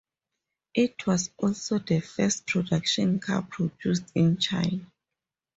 It was also the first production car produced in China.